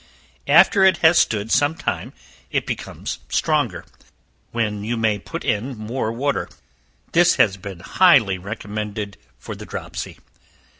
After it has stood some time, it becomes stronger, when you may put in more water. This has been highly recommended for the dropsy.